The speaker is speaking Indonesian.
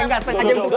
enggak setengah jam itu